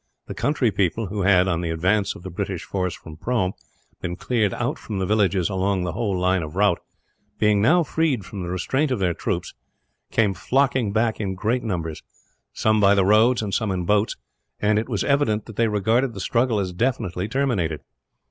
The country people who had, on the advance of the British force from Prome, been cleared out from the villages along the whole line of route being now freed from the restraint of their troops, came flocking back in great numbers some by the roads and some in boats and it was evident that they regarded the struggle as definitely terminated.